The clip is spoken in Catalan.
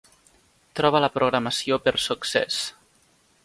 Troba la programació per Success.